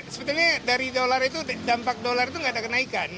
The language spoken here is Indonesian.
sebetulnya dari dolar itu dampak dolar itu nggak ada kenaikan